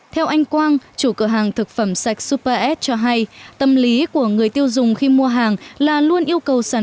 theo anh quang chủ cửa hàng thực phẩm sạch super s cho hay tâm lý của người tiêu dùng khi mua hàng là luôn yêu cầu sản phẩm